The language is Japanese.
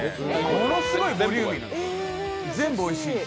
ものすごいボリューミーなんです、全部おいしいんです。